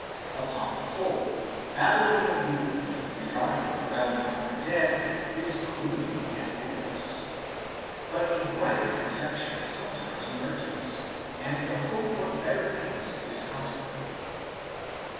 Upon the whole, Baby lonian belief regarding the realm of the dead is gloomy and hopeless ; but a brighter conception sometimes emerges, and the hope of better things is contemplated.